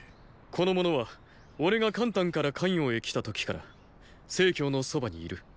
この者は俺が邯鄲から咸陽へ来た時から成のそばにいる。